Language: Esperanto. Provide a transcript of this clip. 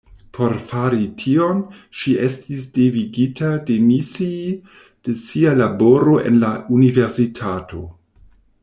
Por fari tion ŝi estis devigita demisii de sia laboro en la universitato.